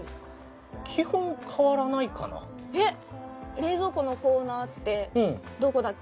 「冷蔵庫のコーナーってどこだっけ？」